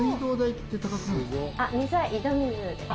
水は井戸水です。